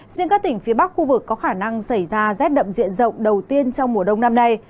riêng các tỉnh phía bắc khu vực có khả năng xảy ra rét đậm diện rộng đầu tiên trong mùa đông năm nay